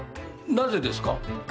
なぜですか？